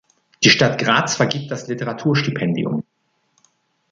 Die Stadt Graz vergibt das Literaturstipendium.